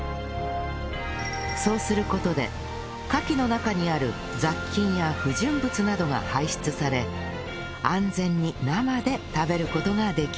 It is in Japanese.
そうする事でカキの中にある雑菌や不純物などが排出され安全に生で食べる事ができるんです